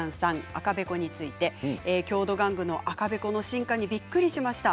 赤べこについて郷土玩具の赤べこの進化にびっくりしました。